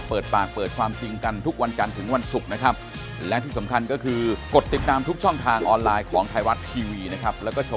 พี่ปอล์ค่ะคุณปอล์ค่ะ